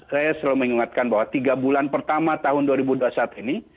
saya selalu mengingatkan bahwa tiga bulan pertama tahun dua ribu dua puluh satu ini